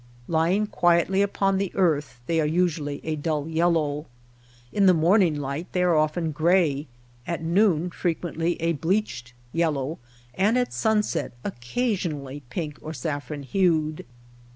Lying quietly upon the earth they are usually a dull yellow. In the morning light they are often gray, at noon frequently a bleached yellow, and at sun set occasionally pink or saff ron hued.